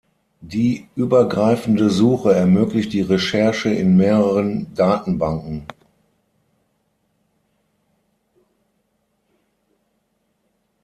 Die übergreifende Suche ermöglicht die Recherche in mehreren Datenbanken.